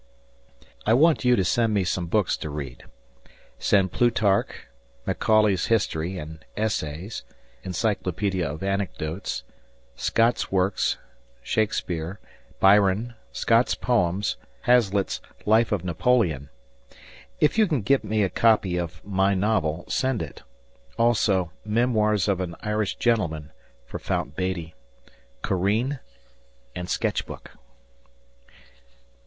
I want you to send me some books to read. Send Plutarch, Macaulay's "History" and "Essays," "Encyclopedia of Anecdotes," Scott's Works, Shakespeare, Byron, Scott's Poems, Hazlitt's "Life of Napoleon," if you can get me a copy of "My Novel," send it, also "Memoirs of an Irish Gentleman" (for Fount Beattie), "Corinne," and "Sketch Book."